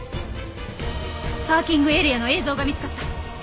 パーキングエリアの映像が見つかった？